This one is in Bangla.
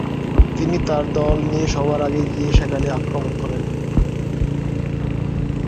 তিনি তার দল নিয়ে সবার আগে গিয়ে সেখানে আক্রমণ করেন।